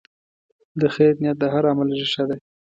د خیر نیت د هر عمل ریښه ده.